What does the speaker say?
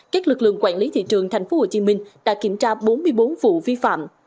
các lực lượng quản lý thị trường tp hcm đã kiểm tra bốn mươi bốn vụ vi phạm